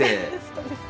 そうですね。